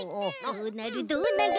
どうなるどうなる？